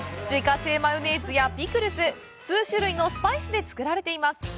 自家製マヨネーズやピクルス、数種類のスパイスで作られています。